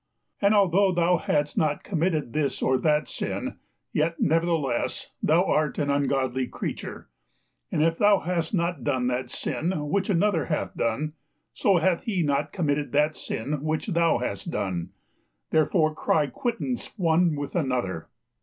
And although thou hadst not committed this or that sin, yet nevertheless thou art an ungodly creature; and if thou hast not done that sin which another hath done, so hath he not committed that sin which thou hast done; therefore cry quittance one with another.